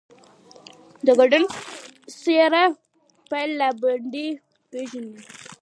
ته کنګڼ ،سيره، پايل، لاسبندي پيژنې